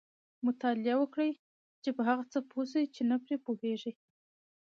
مطالعه وکړئ! چي په هغه څه پوه سئ، چي نه پرې پوهېږئ.